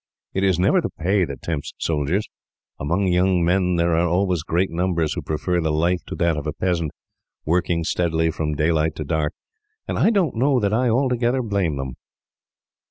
It is never the pay that tempts soldiers. Among young men there are always great numbers who prefer the life to that of a peasant, working steadily from daylight to dark, and I don't know that I altogether blame them."